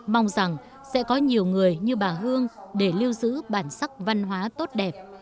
mong rằng sẽ có nhiều người như bà hương để lưu giữ bản sắc văn hóa tốt đẹp